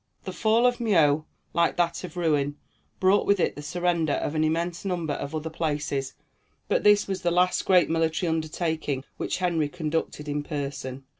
The fall of Meaux, like that of Rouen, brought with it the surrender of an immense number of other places, but this was the last great military undertaking which Henry conducted in person.